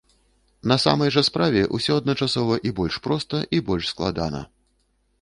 На самай жа справе ўсё адначасова і больш проста, і больш складана.